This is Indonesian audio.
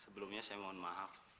sebelumnya saya mohon maaf